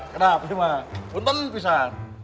kenapa cuma buntun pisan